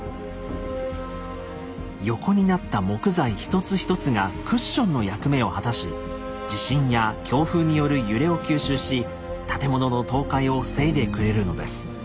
横になった木材一つ一つがクッションの役目を果たし地震や強風による揺れを吸収し建物の倒壊を防いでくれるのです。